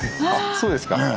あそうですか。